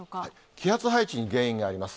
気圧配置に原因があります。